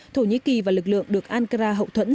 thổ nhĩ kỳ và lực lượng được ankara hậu thuẫn